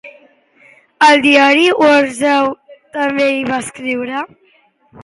Al diari "War Zao" també hi va escriure.